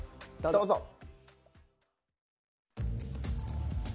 どうぞ。